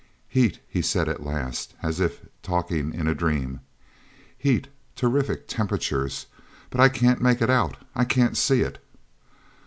"Heat," he said at last, as if talking in a dream. "Heat, terrific temperatures—but I can't make it out; I can't see it!"